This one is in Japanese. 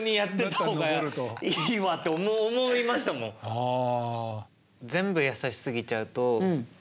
ああ。